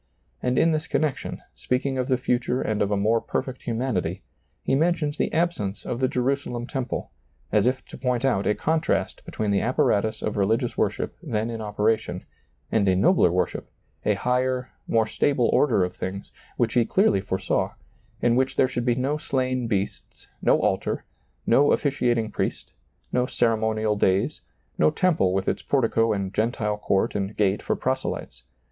And in this connection, speaking of ^lailizccbvGoOgle 170 SEEING DARKLY the future and of a more perfect humanity, he mentions the absence of the Jerusalem temple, as if to point out a contrast between the apparatus of religious worship then in operation and a nobler worship, a higher, more stable order of things, which he clearly foresaw, in which there should be no slain beasts, no altar, no officiating priest, no ceremonial days, no temple with its portico and Gentile court and gate for proselytes.